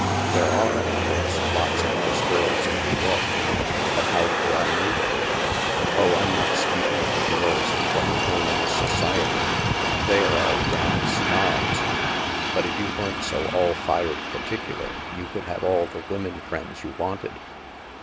" There are, of course, lots of nice girls in New York. But how could I know them ?"" Oh, I'm not speaking of the girls in what is known as * Society.' They are all damned snobs. But if you weren't so all fired particular, you could have all the women friends you wanted."